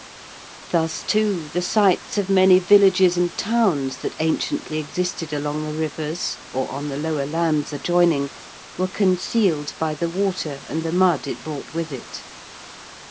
Thus, too, the sites of many villages and towns that anciently existed along the rivers, or on the lower lands adjoining, were concealed by the water and the mud it brought with it.